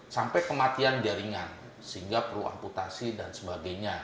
sampai kematian jaringan sehingga perlu amputasi dan sebagainya